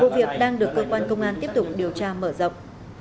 vụ việc đang được cơ quan công an tiếp tục điều tra mở rộng